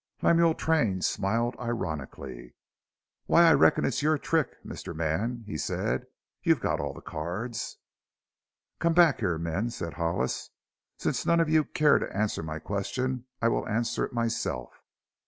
Lemuel Train smiled ironically. "Why, I reckon it's your trick, mister man," he said; "you've got all the cards." "Come back here, men," said Hollis. "Since none of you care to answer my question I will answer it myself."